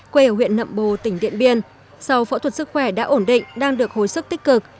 quê ở huyện nậm bồ tỉnh điện biên sau phẫu thuật sức khỏe đã ổn định đang được hồi sức tích cực